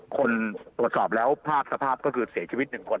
คนตรวจสอบแล้วภาพสภาพก็คือเสียชีวิต๑คน